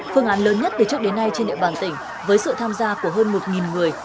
phương án lớn nhất từ trước đến nay trên địa bàn tỉnh với sự tham gia của hơn một người